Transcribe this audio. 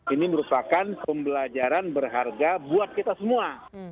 ini merupakan pembelajaran berharga buat kita semua